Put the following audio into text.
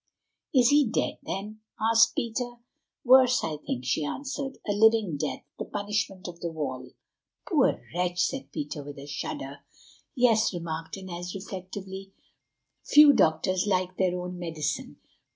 "Is he dead then?" asked Peter. "Worse, I think," she answered—"a living death, the 'Punishment of the Wall.'" "Poor wretch!" said Peter, with a shudder. "Yes," remarked Inez reflectively, "few doctors like their own medicine."